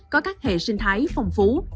có các hệ sinh thái phong phú